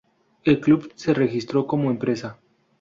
El club se registró como empresa.